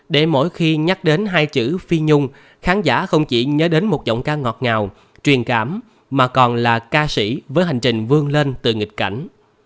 để mỗi khi nhắc đến hai chữ phi nhung khán giả không chỉ nhớ đến một giọng ca ngọt ngào truyền cảm mà còn là ca sĩ với hành trình vương lên từ nghịch cảnh